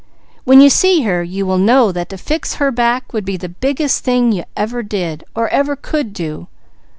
When you see her you will know that to fix her back would be the biggest thing you ever did or ever could do.